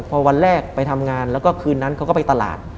พอวันแรกไปทำงานแล้วก็คืนนั้นเขาก็ไปตลาด